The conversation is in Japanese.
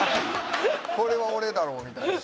これは俺だろうみたいな。